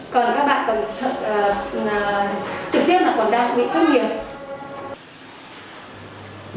còn các bạn trực tiếp là còn đang bị phong nghiệp